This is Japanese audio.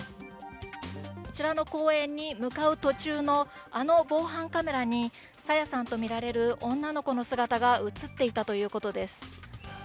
こちらの公園に向かう途中のあの防犯カメラに朝芽さんとみられる女のこの姿が映っていたということです。